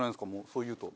そういうと。